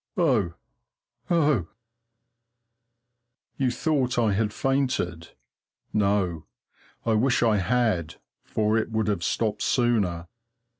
oh! oh! You thought I had fainted? No, I wish I had, for it would have stopped sooner.